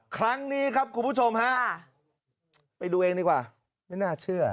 ครั้งนี้ครับคุณผู้ชมฮะไปดูเองดีกว่าไม่น่าเชื่อ